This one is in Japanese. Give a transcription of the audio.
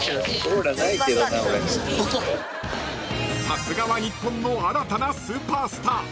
［さすがは日本の新たなスーパースター］